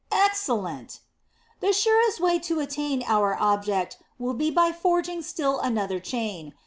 "Excellent!" "The surest way to attain our object will be by forging still another chain.